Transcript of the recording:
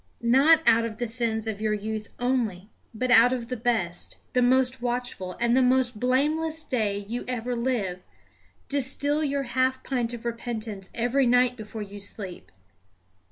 Not out of the sins of your youth only, but out of the best, the most watchful, and the most blameless day you ever live, distil your half pint of repentance every night before you sleep.